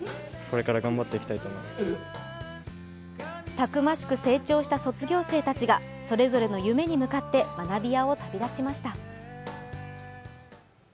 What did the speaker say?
たくましく成長した卒業生たちがそれぞれの夢に向かって学びやを旅立ちました。